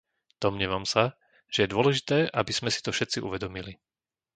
Domnievam sa, že je dôležité, aby sme si to všetci uvedomili.